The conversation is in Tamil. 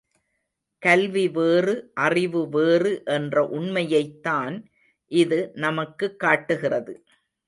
கல்விவேறு அறிவுவேறு என்ற உண்மையைத்தான் இது நமக்குக் காட்டுகிறது.